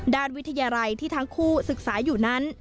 ด้านวิทยาลัยที่ทั้งคู่ศึกษาอยู่นั้น